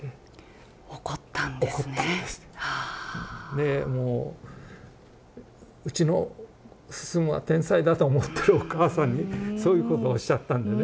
でもう「うちの晋は天才だ」と思ってるお母さんにそういうことをおっしゃったんでね。